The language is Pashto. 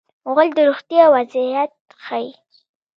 غول د روغتیا وضعیت ښيي.